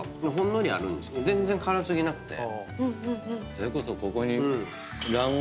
それこそここに。